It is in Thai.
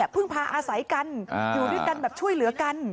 พึ่งพาอาศัยกันอยู่ด้วยกันแบบช่วยเหลือกัน